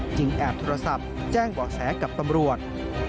จึงแอบโทรศัพท์แจ้งบอกแสกับปำรวจ